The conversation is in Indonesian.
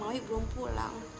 maui belum pulang